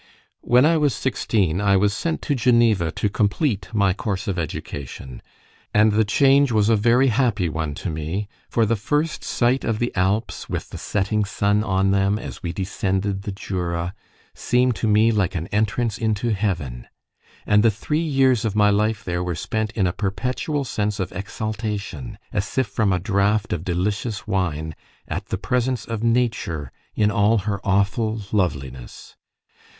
When I was sixteen I was sent to Geneva to complete my course of education; and the change was a very happy one to me, for the first sight of the Alps, with the setting sun on them, as we descended the Jura, seemed to me like an entrance into heaven; and the three years of my life there were spent in a perpetual sense of exaltation, as if from a draught of delicious wine, at the presence of Nature in all her awful loveliness.